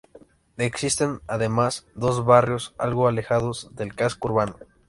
Existen, además, dos barrios algo alejados del casco urbano.